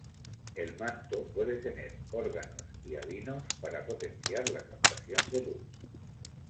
El manto puede tener "órganos hialinos" para potenciar la captación de luz.